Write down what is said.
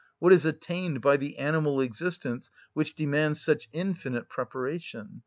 what is attained by the animal existence which demands such infinite preparation?